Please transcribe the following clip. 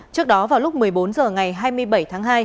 trước đó vào lúc một mươi bốn h ngày hai mươi bảy tháng hai